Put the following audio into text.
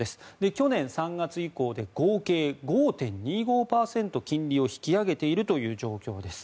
去年３月以降で合計５．２５％金利を引き上げているという状況です。